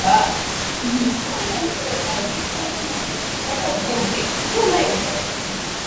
aa mwadhiri mchezaji wa manchester united nani ambaye pia